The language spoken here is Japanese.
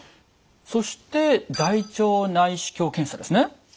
そして大腸内視鏡検査ですね。